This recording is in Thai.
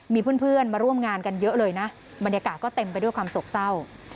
มีเพื่อนมาร่วมงานกันเยอะเลยนะบรรยากาศก็เต็มไปด้วยความโศกเศร้า